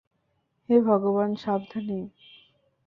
হে ভগবান - সাবধানে।